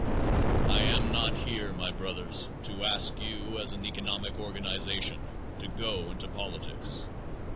I am not here, my brothers, to ask you, as an economic organization, to go into politics.